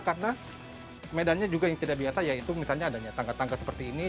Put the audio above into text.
karena medannya juga yang tidak biasa yaitu misalnya adanya tangga tangga seperti ini